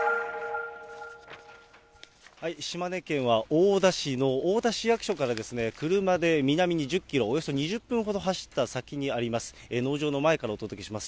島根県は大田市の大田市役所から車で南に１０キロ、およそ２０分ほど走った先にあります、農場の前からお届けします。